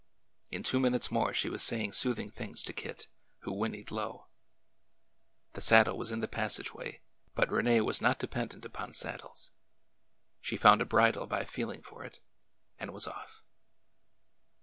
In two minutes more she was saying soothing things to Kit, who whinnied low. The saddle was in the passageway, but Rene was not depen dent upon saddles. She found a bridle by feeling for it —and was off.